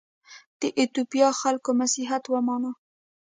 د ایتوپیا خلکو مسیحیت ومانه.